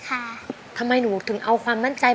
คุณยายแดงคะทำไมต้องซื้อลำโพงและเครื่องเสียง